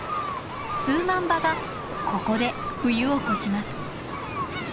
数万羽がここで冬を越します。